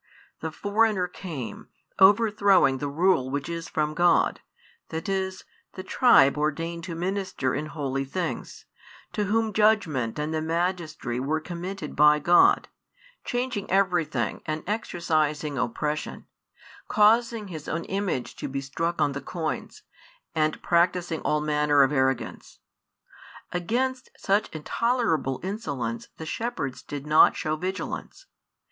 The foreigner came, overthrowing the rule which is from God, that is, the tribe ordained to minister in holy things, to whom judgment and the magistracy were committed by God; changing everything and exercising oppression; causing his own image to be struck on the coins, and practising all manner of arrogance. Against such intolerable insolence the shepherds did not show vigilance.